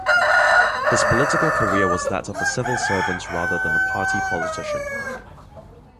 His political career was that of a civil servant rather than a party politician.